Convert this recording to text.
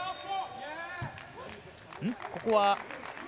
ここは。